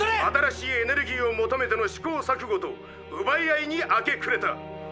「新しいエネルギーを求めての試行さく誤とうばい合いに明け暮れた」。